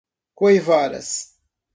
Coivaras